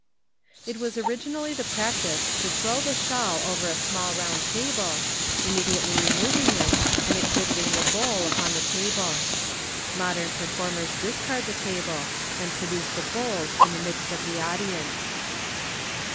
It was originally the practice to throw the shawl over a small round table, immediately removing it, and exhibiting the bowl upon the table. Modern performers discard the table, and produce the bowls in the midst of the audience.